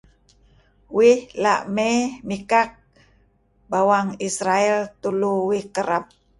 Uih la' may mikak bawang Israel tulu uih kereb.